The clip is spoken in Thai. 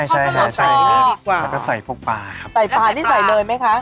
ใช่ใช่ยังกับใส่พวกปลาครับใส่ปลานี้ใส่เลยไหมค่ะ